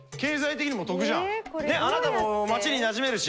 あなたも街になじめるし。